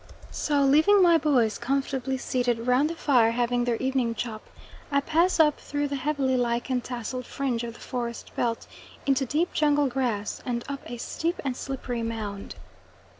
So leaving my boys comfortably seated round the fire having their evening chop, I pass up through the heavily lichen tasselled fringe of the forest belt into deep jungle grass, and up a steep and slippery mound.